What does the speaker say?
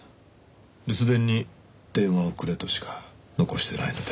留守電に電話をくれとしか残してないので。